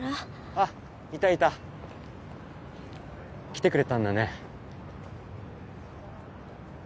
・あっいたいた・・来てくれたんだね！